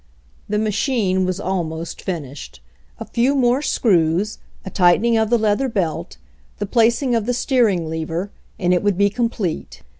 The machine was almost finished. A few more screws, a tightening of the leather belt, the placing of the steering lever, and it would be com plete.